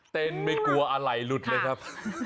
ไม่กลัวอะไรหลุดเลยครับ